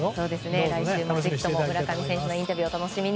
来週もぜひとも村上選手のインタビューお楽しみに。